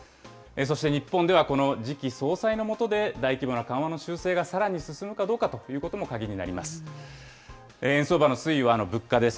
そして日本では、この時期、次期総裁の下で大規模な緩和の修正がさらに進むかどうかということも鍵になります。